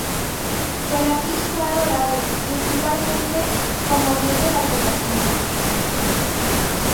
Serapis fue adorado, principalmente, como dios de la curación.